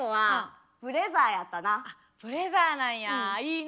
ブレザーなんやいいな。